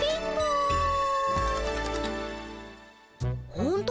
ほんとだ。